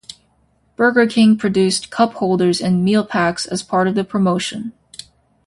Burger King produced cup holders and meal packs as part of the promotion.